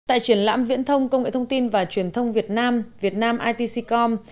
tại triển lãm viễn thông công nghệ thông tin và truyền thông việt nam việt nam itc com